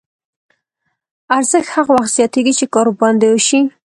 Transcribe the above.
ارزښت هغه وخت زیاتېږي چې کار ورباندې وشي